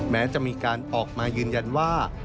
แม้จะมีการออกมายืนยันว่า